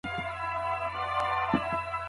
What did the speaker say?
فشار بدن لړزېږي.